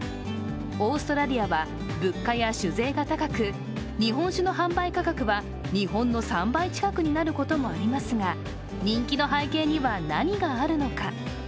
オーストラリアは物価や酒税が高く日本酒の販売価格は日本の３倍近くになることもありますが人気の背景には何があるのか。